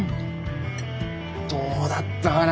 どうだったかな